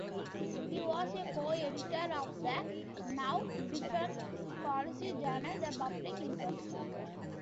He was a co-editor of the now-defunct policy journal "The Public Interest".